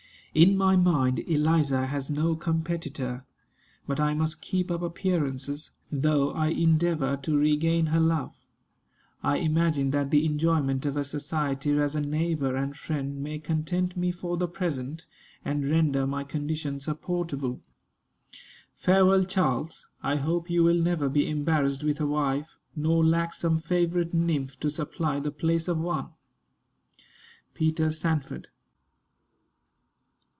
In my mind, Eliza has no competitor. But I must keep up appearances, though I endeavor to regain her love. I imagine that the enjoyment of her society as a neighbor and friend may content me for the present, and render my condition supportable. Farewell, Charles. I hope you will never be embarrassed with a wife, nor lack some favorite nymph to supply the place of one. PETER SANFORD.